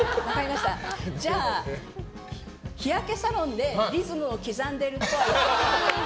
じゃあ、日焼けサロンでリズムを刻んでるっぽい。